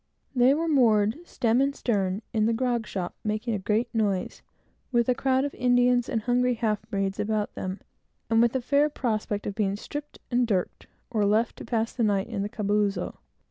They were moored, stem and stern, in a grog shop, making a great noise, with a crowd of Indians and hungry half breeds about them, and with a fair prospect of being stripped and dirked, or left to pass the night in the calabozo.